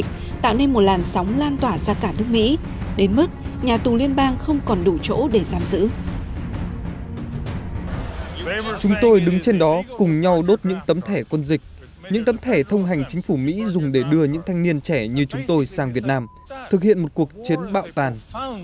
chúng tôi đứng trên đó cùng nhau đốt những tấm thẻ quân dịch những tấm thẻ thông hành chính phủ mỹ dùng để đưa những thanh niên trẻ như chúng tôi sang việt nam thực hiện một cuộc chiến bạo tàn